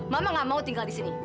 mama gak mau tinggal di sini